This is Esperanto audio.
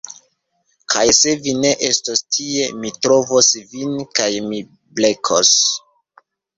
Kaj se vi ne estos tie mi trovos vin kaj mi blekos